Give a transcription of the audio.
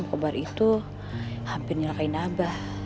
dulu kan om pebar itu hampir nyelakai nabah